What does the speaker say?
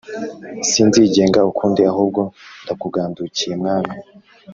Sinzigenga ukundi ahubwo ndakugandukiye mwami